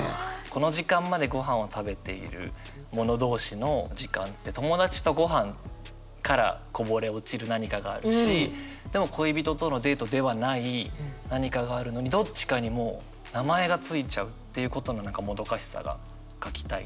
この時間までごはんを食べている者同士の時間って友達とごはんからこぼれ落ちる何かがあるしでも恋人とのデートではない何かがあるのにどっちかにもう名前がついちゃうっていうことの何かもどかしさが書きたいなと。